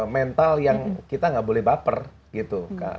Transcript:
mental yang kita nggak boleh baper gitu